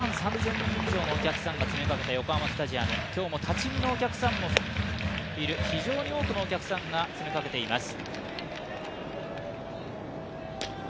昨日は３万３０００人以上のお客さんが詰めかけた横浜スタジアム、今日も立ち見のお客さんもいる、非常に多くのお客さんが詰めかけています。